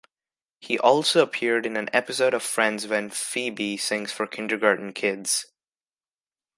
He also appeared in an episode of Friends when Phoebe sings for kindergarten kids.